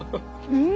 うん！